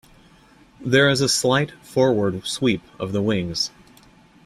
There is a slight forward sweep of the wings.